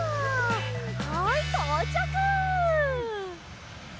はいとうちゃく！